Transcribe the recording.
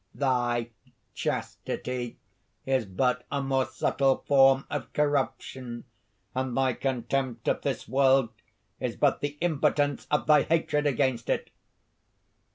Thy chastity is but a more subtle form of corruption, and thy contempt of this world is but the impotence of thy hatred against it!